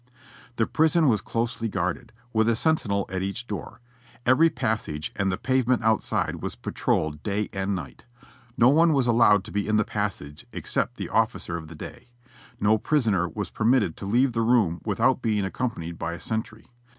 The prison was closely guarded, with a sentinel at each door. Every passage and the pavement outside was patrolled day and night. No one was allowed to be in the passage except the offi cer of the day. No prisoner was permitted to leave the room without being accompanied by a sentry.